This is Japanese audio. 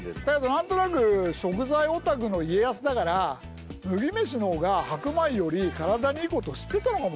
何となく食材オタクの家康だから麦飯のほうが白米より体にいいことを知ってたのかもしれない。